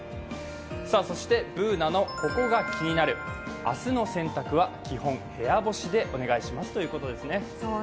そしてＢｏｏｎａの「ココがキニナル」明日の洗濯は基本、部屋干しでお願いしますということですね。